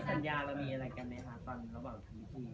สัญญาเรามีอะไรกันไหมครับตอนระหว่างคุยอะไรอย่างนี้